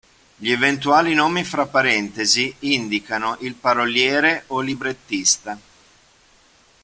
Gli eventuali nomi fra parentesi indicano il paroliere o librettista.